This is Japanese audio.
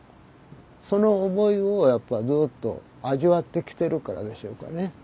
その思いをやっぱずっと味わってきてるからでしょうかね。